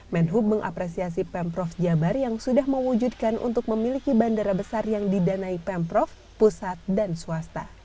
menhub mengapresiasi pemprov jabar yang sudah mewujudkan untuk memiliki bandara besar yang didanai pemprov pusat dan swasta